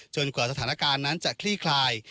กว่าสถานการณ์นั้นจะคลี่คลาย